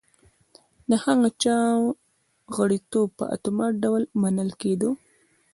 هغه چا غړیتوب په اتومات ډول منل کېده